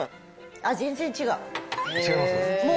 あっ、全然違う。